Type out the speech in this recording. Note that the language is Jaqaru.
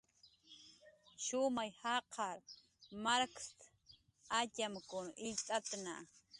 "Shumay jaqar markst"" atxamkun illt'atna"